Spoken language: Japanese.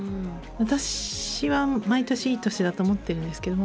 私は毎年いい年だと思ってるんですけども。